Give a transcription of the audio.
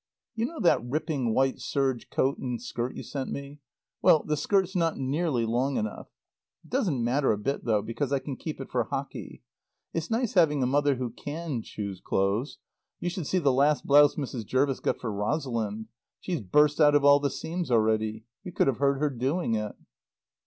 You know that ripping white serge coat and skirt you sent me? Well, the skirt's not nearly long enough. It doesn't matter a bit though, because I can keep it for hockey. It's nice having a mother who can choose clothes. You should see the last blouse Mrs. Jervis got for Rosalind. She's burst out of all the seams already. You could have heard her doing it.